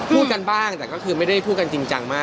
พูดกันบ้างแต่ก็คือไม่ได้พูดกันจริงจังมาก